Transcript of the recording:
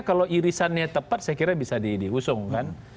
kalau irisannya tepat saya kira bisa diusung kan